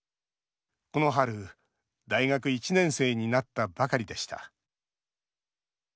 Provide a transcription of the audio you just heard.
この春、大学１年生になったばかりでした。